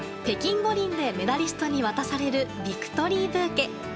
北京五輪でメダリストに渡されるビクトリーブーケ。